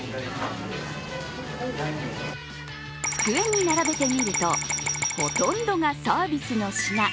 机に並べてみると、ほとんどがサービスの品。